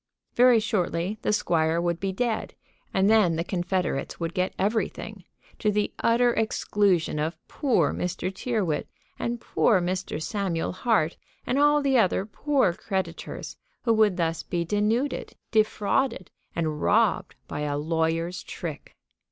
Very shortly the squire would be dead, and then the confederates would get everything, to the utter exclusion of poor Mr. Tyrrwhit, and poor Mr. Samuel Hart, and all the other poor creditors, who would thus be denuded, defrauded, and robbed by a lawyer's trick.